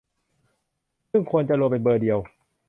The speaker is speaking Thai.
ซึ่งควรจะรวมเป็นเบอร์เดียว